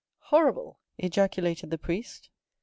"Horrible!" ejaculated the priest.